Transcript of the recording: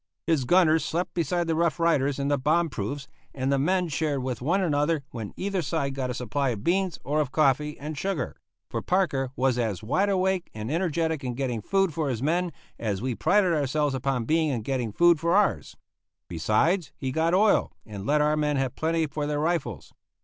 His gunners slept beside the Rough Riders in the bomb proofs, and the men shared with one another when either side got a supply of beans or of coffee and sugar; for Parker was as wide awake and energetic in getting food for his men as we prided ourselves upon being in getting food for ours. Besides, he got oil, and let our men have plenty for their rifles.